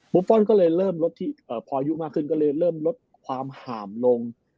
ฟอลก็เลยเริ่มลดที่พออายุมากขึ้นก็เลยเริ่มลดความห่ามลง